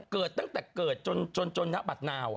เกิดตั้งแต่เกิดจนจนนะบัดนาว